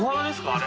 あれ。